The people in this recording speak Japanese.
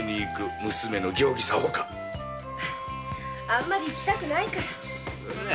あんまりいきたくないから。